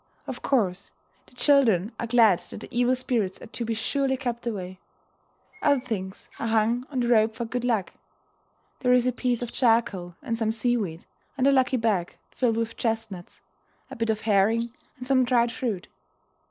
Of course, the children are glad that the evil spirits are to be surely kept away. Other things are hung on the rope for good luck. There is a piece of charcoal and some seaweed, and a "lucky bag" filled with chestnuts, a bit of herring and some dried fruit.